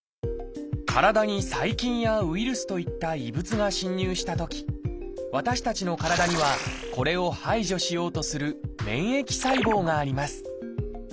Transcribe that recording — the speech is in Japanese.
体に細菌やウイルスといった異物が侵入したとき私たちの体にはこれを排除しようとする免疫細胞があります。